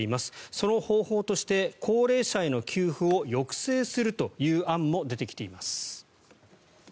その方法として高齢者への給付を抑制するという案も出てきています。